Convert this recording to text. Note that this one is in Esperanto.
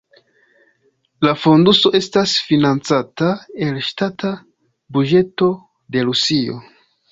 La fonduso estas financata el ŝtata buĝeto de Rusio.